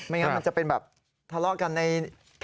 ไม่งั้นมันจะเป็นแบบทะเลาะกันออนไลน์อีก